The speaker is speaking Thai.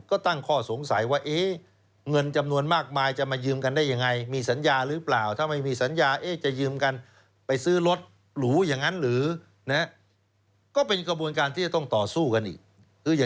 ก็ตั้งข้อสงสัยว่าเ๊ย